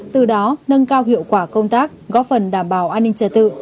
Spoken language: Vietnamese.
từ đó nâng cao hiệu quả công tác góp phần đảm bảo an ninh trật tự